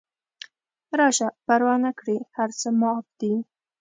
راشه پروا نکړي هر څه معاف دي